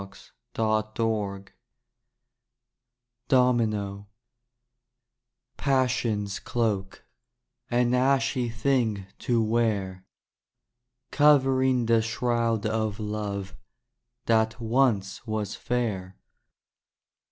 DAY DREAMS DOMINO Passion's cloak, An ashy thing to wear, Covering the shroud of love That once was fair.